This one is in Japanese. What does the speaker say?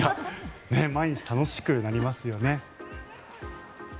毎日楽しくなりますよね。